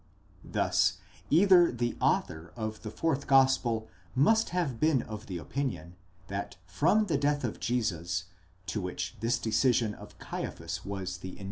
Thus either the author of the fourth gospel must have been of the opinion, that from the death of Jesus, to which this decision of Caiaphas was the initiative step, a ® Comp.